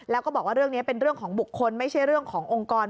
แล้วก็บอกว่าเรื่องนี้เป็นเรื่องของบุคคลไม่ใช่เรื่องขององค์กร